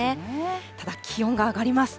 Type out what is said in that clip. ただ、気温が上がります。